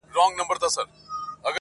په خپلو خپل، په پردو پردى.